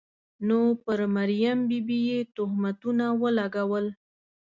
نو پر مریم بي بي یې تهمتونه ولګول.